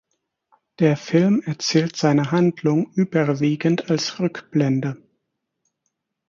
Der Film erzählt seine Handlung überwiegend als Rückblende.